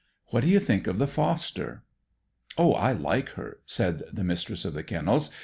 What do you think of the foster?" "Oh, I like her," said the Mistress of the Kennels.